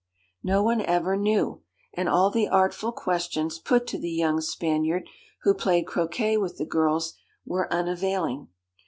No one ever knew, and all the artful questions put to the young Spaniard, who played croquet with the girls, were unavailing.